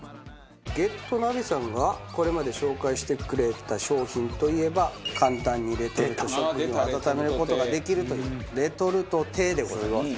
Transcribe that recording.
『ゲットナビ』さんがこれまで紹介してくれた商品といえば簡単にレトルト食品を温める事ができるというレトルト亭でございます。